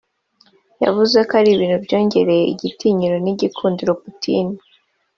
yavuze ko ari ibintu byongereye igitinyiro n’igikundiro Putin